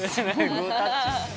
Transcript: グータッチ。